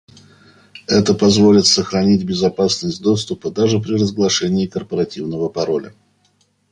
Это позволит сохранить безопасность доступа даже при разглашении корпоративного пароля